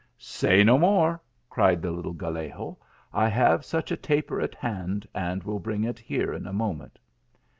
" Say no more !" cried the little Gallego. " I have such a taper at hand and will bring it here in a moment."